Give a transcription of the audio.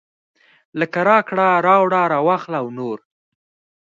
لکه راکړه راوړه راواخله او نور.